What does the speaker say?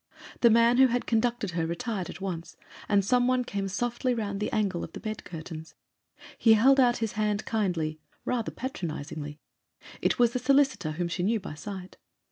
The man who had conducted her retired at once, and some one came softly round the angle of the bed curtains. He held out his hand kindly—rather patronisingly: it was the solicitor whom she knew by sight.